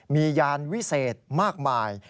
มียานวิเศษมากมาย